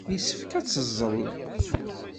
Yessefk ad teẓẓel.